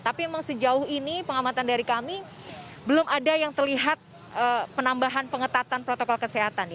tapi memang sejauh ini pengamatan dari kami belum ada yang terlihat penambahan pengetatan protokol kesehatan